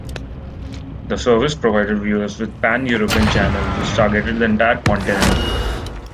The service provided viewers with pan-European channels which targeted the entire continent.